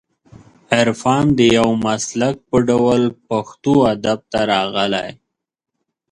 عرفان د یو مسلک په ډول پښتو ادب ته راغلی